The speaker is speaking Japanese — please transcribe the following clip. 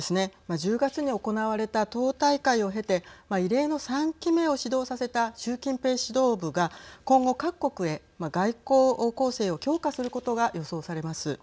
１０月に行われた党大会を経て異例の３期目を始動させた習近平指導部が今後、各国へ外交攻勢を強化することが予想されます。